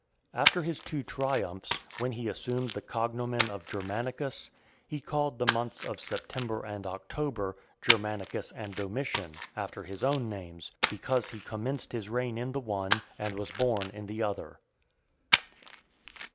After his two triumphs, when he assumed the cognomen of Germanicus, he called the months of September and October, Germanicus and Domitian, after his own names, because he commenced his reign in the one, and was born in the other.